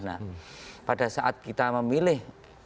nah pada saat kita memilih